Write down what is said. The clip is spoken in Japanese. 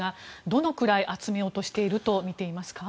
どのくらい、集めようとしているとみていますか。